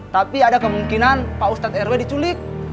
tapi ada kemungkinan pak ustadz rw diculik